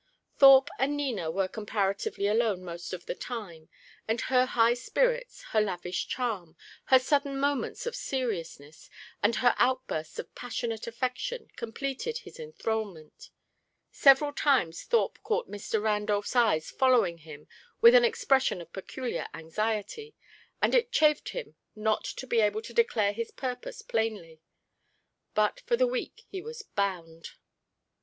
Thorpe and Nina were comparatively alone most of the time; and her high spirits, her lavish charm, her sudden moments of seriousness, and her outbursts of passionate affection completed his enthralment. Several times Thorpe caught Mr. Randolph's eyes following him with an expression of peculiar anxiety, and it chafed him not to be able to declare his purpose plainly; but for the week he was bound.